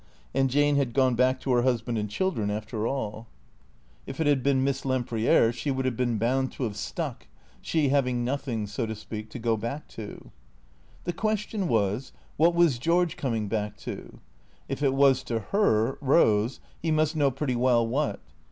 And Jane had gone back to her husband and children, after all. THECEEATORS 501 If it had been Miss Lempriere she would have been bound to have stuck, she having nothing, so to speak, to go back to. The question was, what was George coming back to? If it was to her, Eose, he must know pretty well what.